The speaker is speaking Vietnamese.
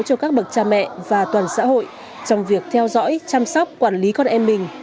cho các bậc cha mẹ và toàn xã hội trong việc theo dõi chăm sóc quản lý con em mình